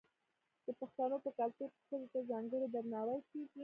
د پښتنو په کلتور کې ښځو ته ځانګړی درناوی کیږي.